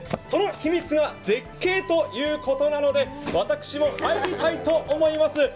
その秘密が絶景ということなので、私も入りたいと思います。